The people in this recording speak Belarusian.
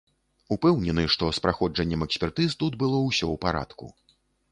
Упэўнены, што з праходжаннем экспертыз тут было ўсё ў парадку.